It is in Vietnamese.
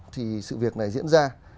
thì sự việc này diễn ra